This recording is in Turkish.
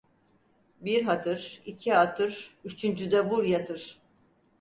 Bir hatır, iki hatır, üçüncüde vur yatır.